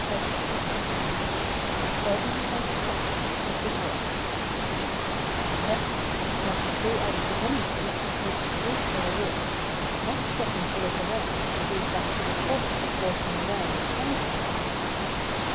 II STORY IV Bobby Makes Friends With the GiRt Rusty when he flew out of the window made straight for the woods, not stopping to look around to see if Dasher the Hawk was lurking around to pounce upon him.